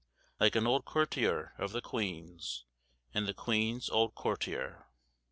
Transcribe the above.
Like an old courtier of the queen's, And the queen's old courtier."